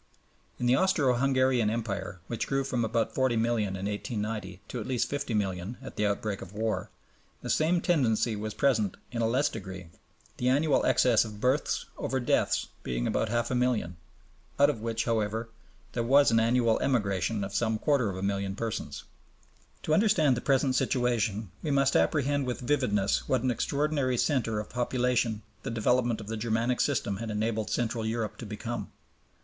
In the Austro Hungarian Empire, which grew from about 40,000,000 in 1890 to at least 50,000,000 at the outbreak of war, the same tendency was present in a less degree, the annual excess of births over deaths being about half a million, out of which, however, there was an annual emigration of some quarter of a million persons. To understand the present situation, we must apprehend with vividness what an extraordinary center of population the development of the Germanic system had enabled Central Europe to become.